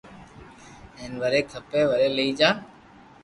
ھين وري کپي وري لئي جا